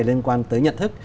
liên quan tới nhận thức